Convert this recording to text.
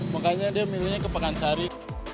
makanya dia milihnya ke pekansari